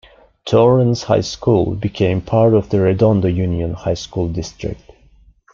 Torrance High School became part of the Redondo Union High School District.